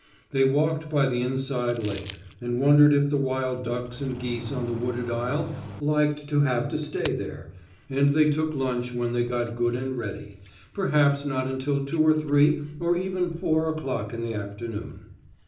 They walked by the inside lake and wondered if the wild ducks and geese on the wooded isle liked to have to stay there, and they took lunch when they got good and ready, perhaps not until two or three or even four o'clock in the afternoon.